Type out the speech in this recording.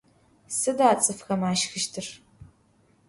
Sıda ts'ıfxem aşşxıştır?